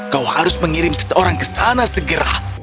kau harus mengirim seseorang ke sana segera